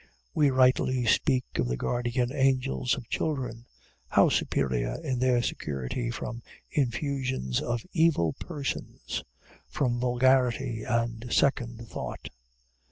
We rightly speak of the guardian angels of children. How superior in their security from infusions of evil persons, from vulgarity and second thought!